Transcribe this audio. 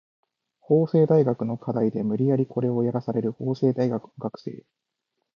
法政大学の課題で無理やりコレをやらされる法政大学の学生